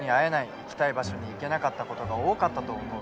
行きたい場所に行けなかったことが多かったと思う。